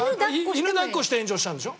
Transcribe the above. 犬だっこして炎上したんでしょ。